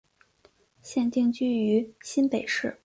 现定居于新北市。